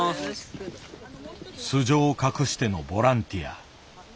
素性を隠してのボランティア。